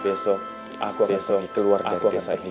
besok aku akan keluar dari desa ini